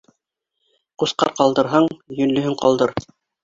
Ҡусҡар ҡалдырһаң, йөнлөһөн ҡалдыр.